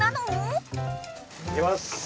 いきます。